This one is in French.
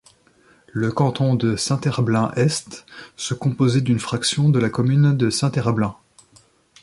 Le canton de Saint-Herblain-Est se composait d’une fraction de la commune de Saint-Herblain.